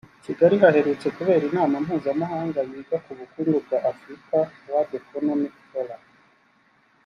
I Kigali haherutse kubera inama mpuzamahanga yiga ku bukungu bwa Afurika (World Economic Forum)